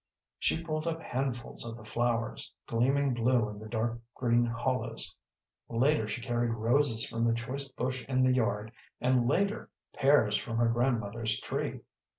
She pulled up handfuls of the flowers, gleaming blue in the dark green hollows. Later she carried roses from the choice bush in the yard, and, later, pears from her grandmother's tree.